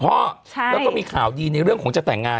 แล้วก็มีข่าวดีในเรื่องของจะแต่งงาน